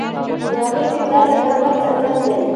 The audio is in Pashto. د هغې کردار لکه لمر څرګند دی.